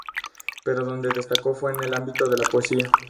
Pero donde destacó fue en el ámbito de la poesía.